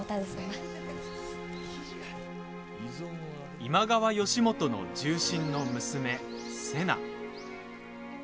今川義元の重臣の娘、瀬名。